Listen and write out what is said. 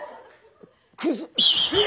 クズ。